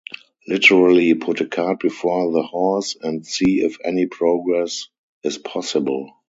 Literally put a cart before the horse and see if any progress is possible.